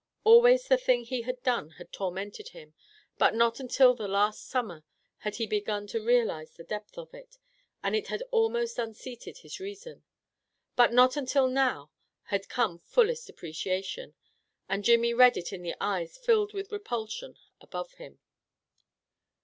Always the thing he had done had tormented him; but not until the past summer had he begun to realize the depth of it, and it had almost unseated his reason. But not until now had come fullest appreciation, and Jimmy read it in the eyes filled with repulsion above him.